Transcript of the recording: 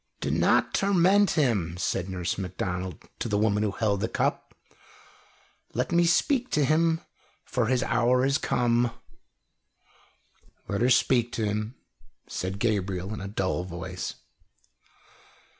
"Do not torment him," said Nurse Macdonald to the woman who held the cup. "Let me speak to him, for his hour is come." "Let her speak to him," said Gabriel in a dull voice.